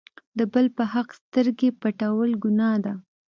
د بل په حق سترګې پټول ګناه ده.